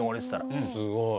すごい。